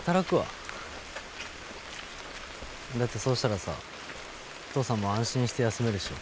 だってそうしたらさ父さんも安心して休めるでしょ。